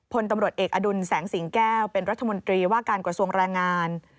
พลตำรวจเอกอดุลแสงสิงแก้วเป็นรัฐมนตรีว่าการกระทรวงแรงงาน